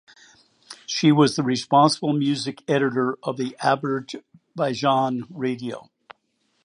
She was the responsible music editor of Azerbaijan Radio.